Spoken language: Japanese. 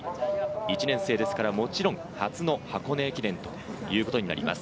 １年生ですから、もちろん初の箱根駅伝ということになります。